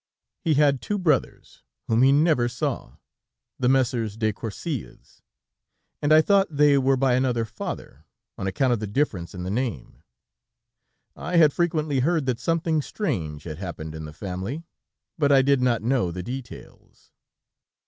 He had two brothers, whom he never saw, the Messieurs de Courcils, and I thought they were by another father, on account of the difference in the name. I had frequently heard that something strange had happened in the family, but I did not know the details.